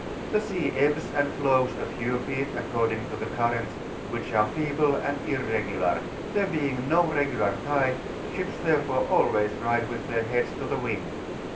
The sea ebbs and flows a few feet, according to the currents, which are feeble and irregular; there being no regular tide, ships therefore always ride with their heads to the wmd.